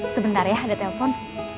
sebentar ya ada telpon